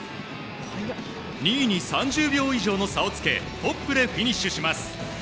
２位に３０秒以上の差をつけトップでフィニッシュします。